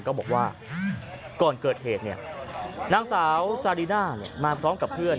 ก็บอกว่าก่อนเกิดเหตุนางสาวซาริน่ามาพร้อมกับเพื่อน